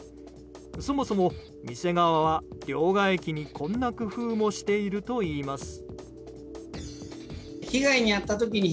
そもそも、店側は両替機にこんな工夫もしているといいます。